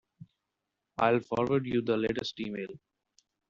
I'll forward you the latest email.